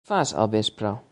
Què fas, al vespre?